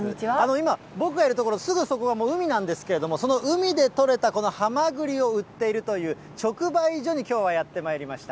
今、僕がいる所、すぐそこがもう海なんですけれども、その海で取れたこのはまぐりを売っているという、直売所にきょうはやってまいりました。